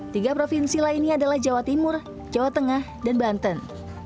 tiga provinsi lainnya adalah jawa timur jawa tengah dan banten